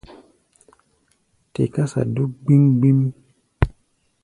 Te kása dúk gbím-gbím.